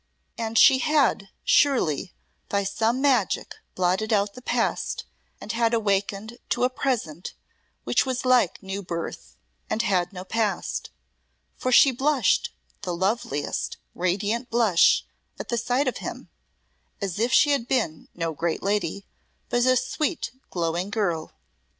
And she had surely by some magic blotted out the past and had awakened to a present which was like new birth and had no past, for she blushed the loveliest, radiant blush at sight of him as if she had been no great lady, but a sweet, glowing girl.